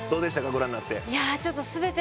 ご覧になって。